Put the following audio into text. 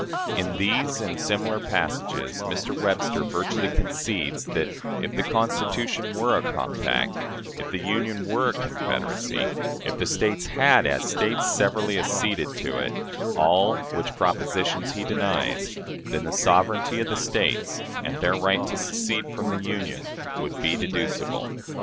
" In these and similar passages, Mr. Webster virtually concedes that, if the Constitution were a compact; if the Union were a confederacy; if the States had, as States, severally acceded to it all which propositions he denies then the sovereignty of the States and their right to secede from the Union would be deducible.